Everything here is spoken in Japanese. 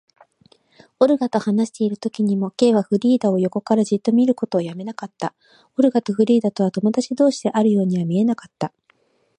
オルガと話しているときにも、Ｋ はフリーダを横からじっと見ることをやめなかった。オルガとフリーダとは友だち同士であるようには見えなかった。